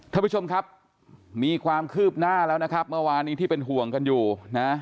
ท่านผู้ชมครับมีความคืบหน้าแล้วนะครับเมื่อวานนี้ที่เป็นห่วงกันอยู่นะ